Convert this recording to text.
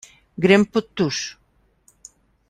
Grem pod tuš.